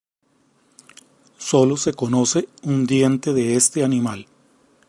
Solo se conoce un diente de este animal.